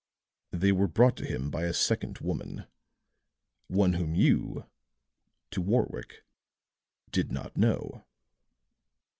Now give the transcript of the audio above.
They were brought to him by a second woman one whom you," to Warwick, "did not know."